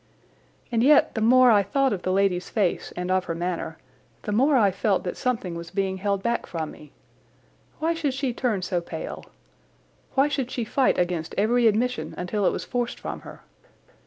And yet the more I thought of the lady's face and of her manner the more I felt that something was being held back from me. Why should she turn so pale? Why should she fight against every admission until it was forced from her?